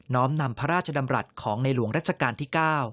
้อมนำพระราชดำรัฐของในหลวงรัชกาลที่๙